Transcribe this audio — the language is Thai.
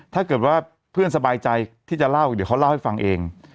ถ้าเกิดว่าเพื่อนสบายใจที่จะเล่าเดี๋ยวเขาเล่าให้ฟังเอง